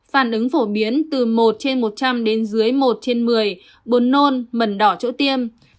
phản ứng phổ biến từ một trên một trăm linh đến dưới một trên một mươi buồn nôn mần đỏ chỗ tiêm